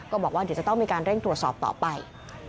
บอกว่าเดี๋ยวจะต้องมีการเร่งตรวจสอบต่อไป